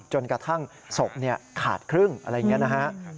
จนกระทั่งศพขาดครึ่งอะไรอย่างนี้นะฮะ